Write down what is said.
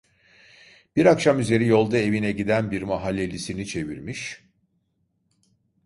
Bir akşam üzeri yolda evine giden bir mahallelisini çevirmiş...